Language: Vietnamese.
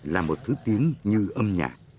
là một thứ tiếng như âm nhạc